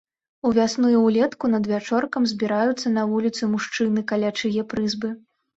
Увясну і ўлетку надвячоркам збіраюцца на вуліцы мужчыны каля чые прызбы.